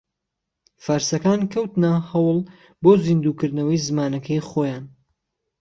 فارسەكان كەوتنە ھەوڵ بۆ زیندوو كردنەوەی زمانەكەی خۆیان